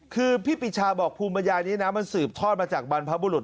คือพี่ปิชาบอกภูมิปัญญานี้นะมันสืบทอดมาจากบรรพบุรุษ